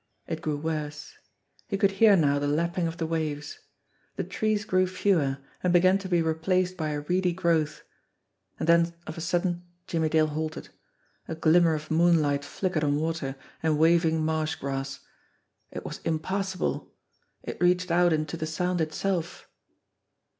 It grew worse. He could hear now the lapping of the waves. The trees grew fewer, and began to be replaced by a reedy growth and then of a sudden Jimmie Dale halted. A glimmer of moonlight flickered on water and waving marsh grass. It was impassable it reached out into the Sound itself.